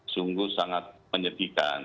sungguh sangat menyedihkan